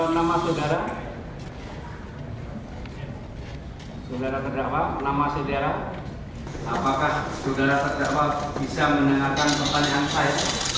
nama saudara terdakwa nama saudara apakah saudara terdakwa bisa mendengarkan pertanyaan saya